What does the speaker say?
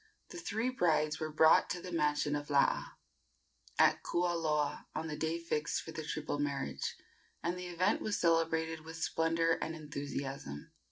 The three brides were brought to the mansion of Laa, at Kualoa, on the day fixed for the triple marriage, and the event was celebrated with splendor and enthusiasm.